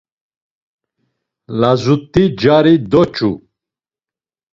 Lazut̆i cari doç̌u.